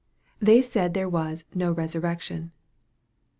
They said there was " no resurrection."